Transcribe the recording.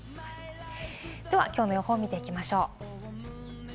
きょうの予報を見ていきましょう。